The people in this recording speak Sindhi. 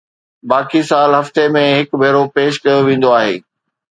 باقي سال هفتي ۾ هڪ ڀيرو پيش ڪيو ويندو آهي